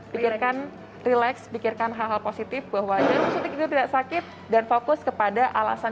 jangan kan rileks pikirkan hal positif bahwa jarum suntik itu tidak sakit dan fokus kepada alasan